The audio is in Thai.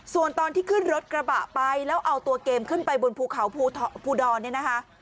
ส่วนตอนที่ขึ้นรถกระบะไปแล้วเอาตัวเกมขึ้นไปบนภูเขาภูดรเนี่ยนะคะ